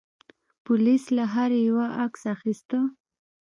پولیس له هر یوه عکس اخیسته.